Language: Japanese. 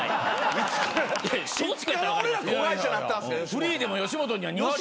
フリーでも吉本には２割。